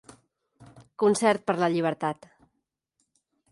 Concert per la llibertat.